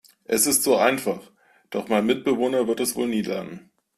Es ist so einfach, doch mein Mitbewohner wird es wohl nie lernen.